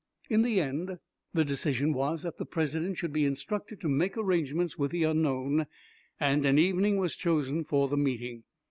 In the end the decision was that the President should be instructed to make arrangements with the unknown, and an evening was chosen for the meeting.